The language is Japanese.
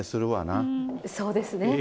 そうですね。